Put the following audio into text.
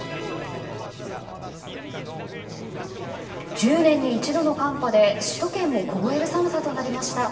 １０年に一度の寒波で首都圏も凍える寒さとなりました。